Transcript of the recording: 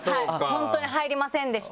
「本当に入りませんでした」